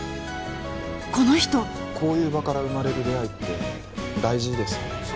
この人こういう場から生まれる出会いって大事ですよね